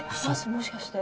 もしかして。